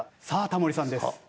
さあタモリさんです。